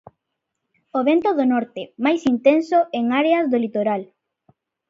O vento do norte, máis intenso en áreas do litoral.